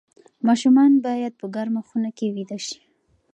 ماشومان باید په ګرمه خونه کې ویده شي.